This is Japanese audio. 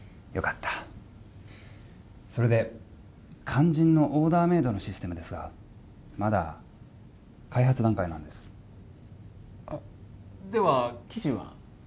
よかったそれで肝心のオーダーメードのシステムですがまだ開発段階なんですあっ